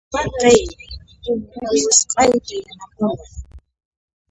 Wayqiy, punku wisq'ayta yanapaway.